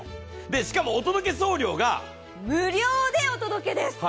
しかもお届け送料が無料です。